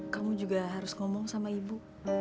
kamu juga harus ngomong sama ibu